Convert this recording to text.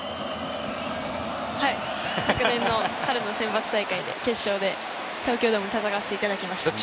昨年の春の選抜大会決勝で東京ドームで戦わせていただきました。